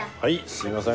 すみません。